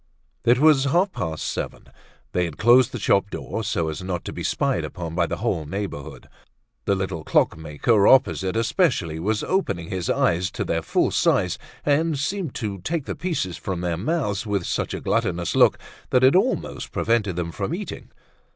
It was half past seven. They had closed the shop door, so as not to be spied upon by the whole neighborhood; the little clockmaker opposite especially was opening his eyes to their full size and seemed to take the pieces from their mouths with such a gluttonous look that it almost prevented them from eating.